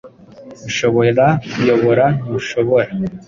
Ushobora kuyoboraNtushobora